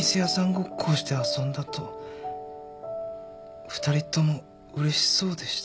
ごっこをして遊んだと二人ともうれしそうでした」